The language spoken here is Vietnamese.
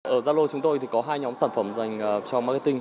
ở zalo chúng tôi thì có hai nhóm sản phẩm dành cho marketing